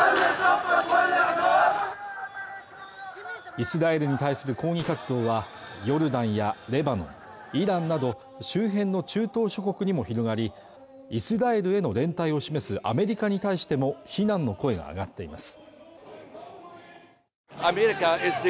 イスラエルに対する抗議活動はヨルダンやレバノン、イランなど周辺の中東諸国にも広がりイスラエルへの連帯を示すアメリカに対しても非難の声が上がっています